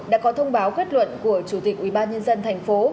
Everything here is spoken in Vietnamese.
đã có thông báo kết luận của chủ tịch ubnd thành phố